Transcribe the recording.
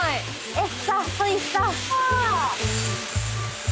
えっ？